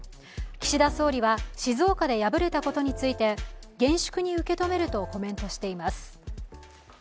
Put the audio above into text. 岸田総理は静岡で敗れたことについて厳粛に受け止めるとコメントしています。